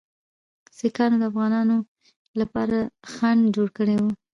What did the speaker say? سیکهانو د افغانانو لپاره خنډ جوړ کړی وو.